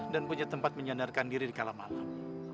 dan punya tempat menyandarkan diri di kalah malam